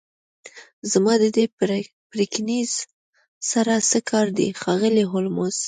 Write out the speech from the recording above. زما د دې پرکینز سره څه کار دی ښاغلی هولمز